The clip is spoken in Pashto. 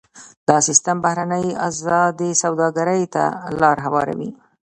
دا سیستم بهرنۍ ازادې سوداګرۍ ته لار هواروي.